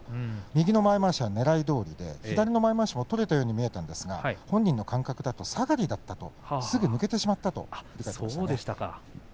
右の前まわし、ねらいどおりで左の前まわしも取れたように見えたんですが本人の感覚は下がりだったと、すぐに抜けてしまったと言っていました。